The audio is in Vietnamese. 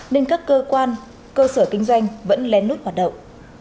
nên các cơ quan cơ sở kinh doanh vẫn lén lút hoạt động